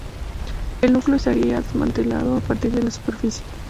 El núcleo estaría desmantelado a partir de la superficie.